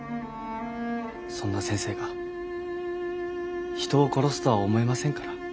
そんな先生が人を殺すとは思えませんから。